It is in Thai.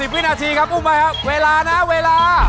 วินาทีครับอุ้มไว้ครับเวลานะเวลา